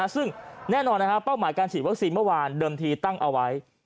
ซึ่งแน่นอนเป้าหมายการฉีดวัคซีนเมื่อวานเดิมทีตั้งเอาไว้